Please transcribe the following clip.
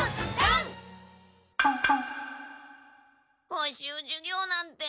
補習授業なんて。